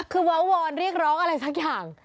คือเว้าวอนเรียกร้องอะไรสักอย่าง